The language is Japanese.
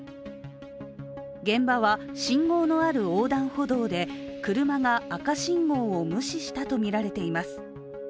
現場は信号のある横断歩道で車が赤信号を無視したとみられています。